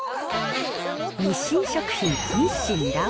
日清食品日清ラ王